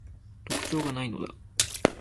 特徴が無いのだ